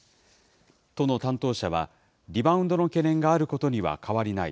都の担当者は、リバウンドの懸念があることには変わりない。